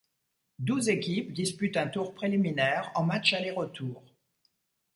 Douze équipes disputent un tour préliminaire en match aller-retour.